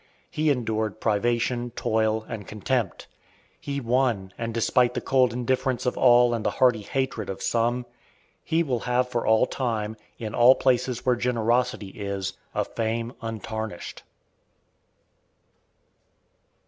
He endured privation, toil, and contempt. He won, and despite the cold indifference of all and the hearty hatred of some, he will have for all time, in all places where generosity is, a fame untarnished.